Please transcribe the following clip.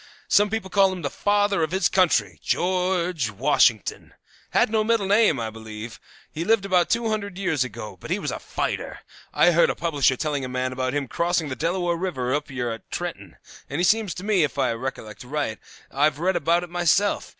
Some people call him Father of his Country. George Washington. Had no middle name, I believe. He lived about two hundred years ago, and he was a fighter. I heard the publisher telling a man about him crossing the Delaware River up yer at Trenton, and seems to me, if I recollect right, I've read about it myself.